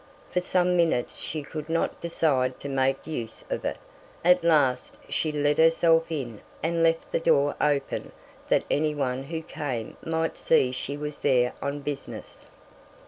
For some minutes she could not decide to make use of it; at last she let herself in and left the door open that anyone who came might see she was there on business.